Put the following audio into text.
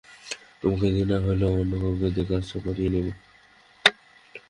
তোমাকে দিয়ে না হলেও অন্য কাউকে দিয়ে কাজটা করিয়ে নেবো।